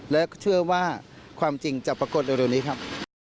แล้วก็เชื่อว่าความจริงจะปรากฏอยู่ตรงนี้ครับ